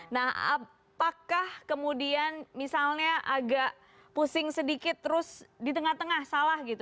nah apakah kemudian misalnya agak pusing sedikit terus di tengah tengah salah gitu